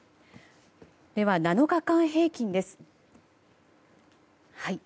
７日間平均です。